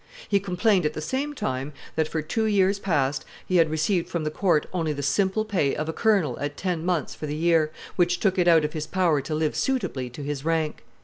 He complained at the same time that for two years past he had received from the court only the simple pay of a colonel at ten months for the year, which took it out of his power to live suitably to his rank.